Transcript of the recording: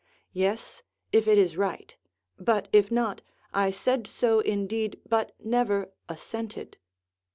Yes, if it is right; but if not, I said so indeed but never assented.